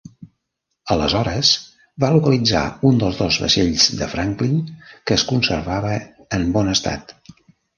Aleshores, va localitzar un dels dos vaixells de Franklin, que es conservava en bon estat.